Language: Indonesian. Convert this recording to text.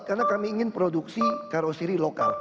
karena kami ingin produksi karosiri lokal